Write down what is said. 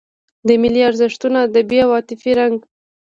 د ملي ارزښتونو ادبي او عاطفي رنګ.